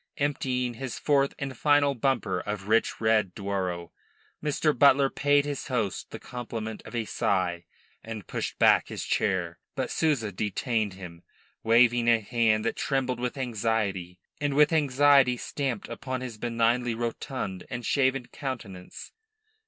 Emptying his fourth and final bumper of rich red Douro, Mr. Butler paid his host the compliment of a sigh and pushed back his chair. But Souza detained him, waving a hand that trembled with anxiety, and with anxiety stamped upon his benignly rotund and shaven countenance.